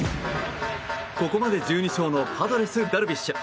ここまで１２勝のパドレスダルビッシュ。